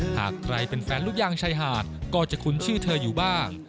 หากใครเป็นแฟนลูกยางชายหาดก็จะคุ้นชื่อเธออยู่บ้าง